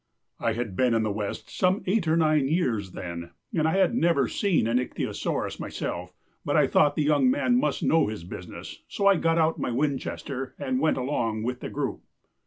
I had been in the west some eight or nine years then and I had never seen an ichthyosaurus myself, but I thought the young man must know his business, so I got out my Winchester and went along with the group.